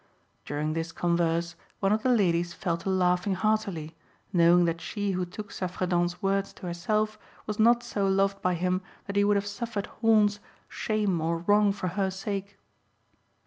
During this converse one of the ladies fell to laughing heartily, knowing that she who took Saffredent's words to herself was not so loved by him that he would have suffered horns, shame, or wrong for her sake.